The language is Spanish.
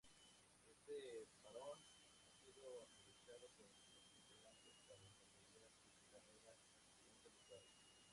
Este parón ha sido aprovechado por sus integrantes para desarrollar sus carreras en solitario.